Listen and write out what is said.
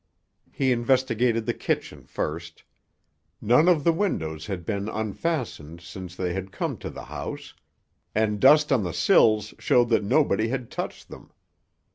He investigated the kitchen first. None of the windows had been unfastened since they had come to the house, and dust on the sills showed that nobody had touched them.